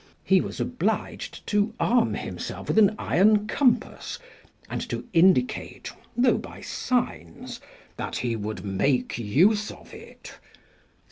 He was obliged to arm himself with an iron compass, and to indicate, though by signs, that he would make use of it.